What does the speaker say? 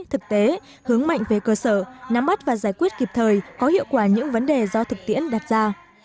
thực tế hướng mạnh về cơ sở nắm bắt và giải quyết kịp thời có hiệu quả những vấn đề do thực tiễn đặt ra